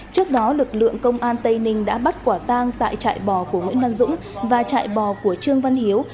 trước đó lực lượng công an tây ninh đã bắt quả tang tại trại bò của nguyễn đăng dũng và chạy bò của trương văn hiếu